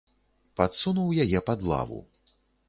Падсунуў яе пад лаву.